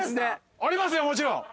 ありますよもちろん。